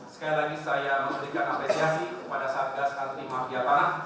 sekali lagi saya memberikan apresiasi kepada satgas anti mafia tanah